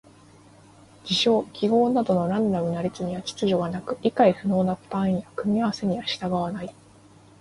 事象・記号などのランダムな列には秩序がなく、理解可能なパターンや組み合わせに従わない。